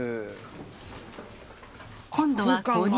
今度は５人。